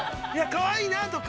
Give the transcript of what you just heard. かわいいなとか。